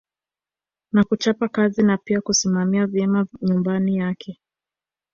Na kuchapa kazi na pia kusimamia vyema nyumba yake